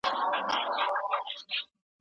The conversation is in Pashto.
له جونګړو سي را پورته ننګیالی پکښی پیدا کړي